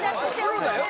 プロだよ